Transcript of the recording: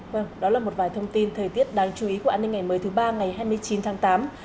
vâng đó là một vài thông tin thời tiết đáng chú ý của an ninh ngày mới thứ ba ngày hai mươi chín tháng tám